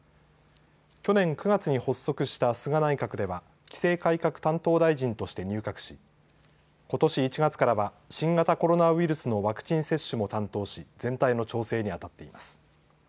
去年９月に発足した菅内閣では規制改革担当大臣として入閣しことし１月からは新型コロナウイルスのワクチン接種も担当し全体の調整にあたっています。